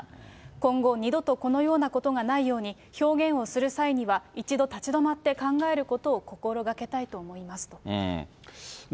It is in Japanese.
今後、二度とこのようなことがないように、表現をする際には、一度立ち止まって考えることを心がけたいと思いますと。